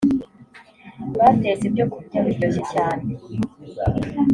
batetse ibyokurya biryoshye cyane.